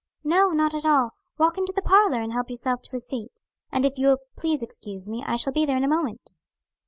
"No, not at all. Walk into the parlor, and help yourself to a seat. And if you will please excuse me I shall be there in a moment."